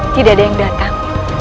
tidak ada yang datang